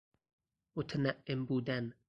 متنعم بودن